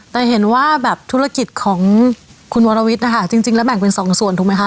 แต่เห็นว่าแบบธุรกิจของคุณวรวิทย์นะคะจริงแล้วแบ่งเป็นสองส่วนถูกไหมคะ